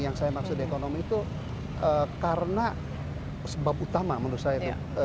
yang saya maksud di ekonomi itu karena sebab utama menurut saya itu